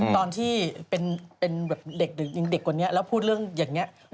ตอนที่เป็นเด็กกว่านี้แล้วพูดเรื่องอย่างนี้